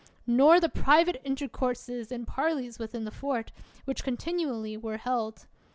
nor the private intercourses and parlies with the fort, which continually were held.